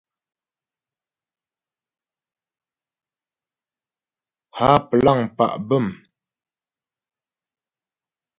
Há plâŋ pá' bə̂m.